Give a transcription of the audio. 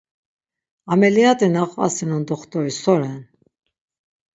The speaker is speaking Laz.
Ameliyat̆i na qvasinon doxtori so ren?